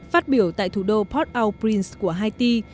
phát biểu tại thủ đô port oun prince của haiti